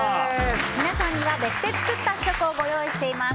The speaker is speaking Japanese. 皆さんには別で作った試食をご用意しています。